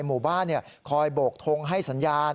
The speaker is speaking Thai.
หมู่บ้านคอยโบกทงให้สัญญาณ